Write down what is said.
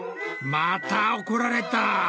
また怒られた。